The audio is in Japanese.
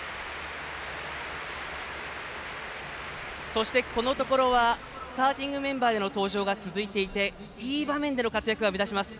そして、このところはスターティングメンバーでの登場が続いていていい場面での活躍が目立ちます。